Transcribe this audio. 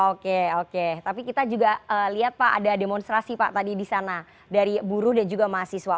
oke oke tapi kita juga lihat pak ada demonstrasi pak tadi di sana dari buruh dan juga mahasiswa